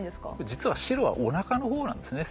実は白はおなかの方なんですね。